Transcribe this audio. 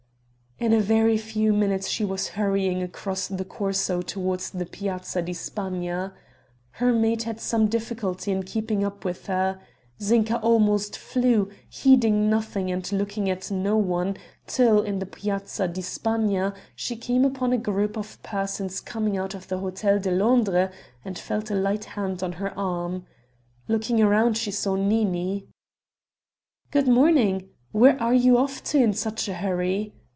In a very few minutes she was hurrying across the Corso towards the Piazza di Spagna. Her maid had some difficulty in keeping up with her. Zinka almost flew, heeding nothing and looking at no one, till, in the Piazza di Spagna, she came upon a group of persons coming out of the Hotel de Londres and felt a light hand on her arm. Looking round she saw Nini. "Good morning. Where are you off to in such a hurry?"